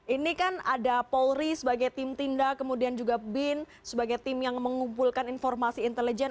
ini kan ada polri sebagai tim tindak kemudian juga bin sebagai tim yang mengumpulkan informasi intelijen